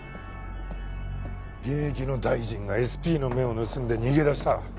現役の大臣がＳＰの目を盗んで逃げ出した。